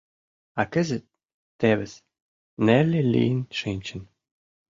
А кызыт, тевыс, Нелли лийын шинчын.